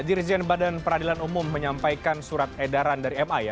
dirjen badan peradilan umum menyampaikan surat edaran dari ma ya